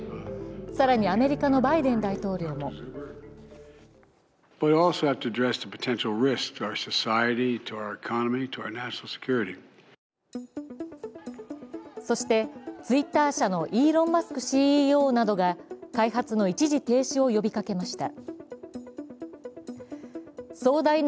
更にアメリカのバイデン大統領もそして、Ｔｗｉｔｔｅｒ社のイーロン・マスクＣＥＯなどが開発の一時停止を呼びかけました。